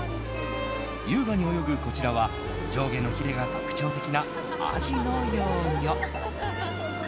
優雅に泳ぐこちらは上下のヒレが特徴的なアジの幼魚。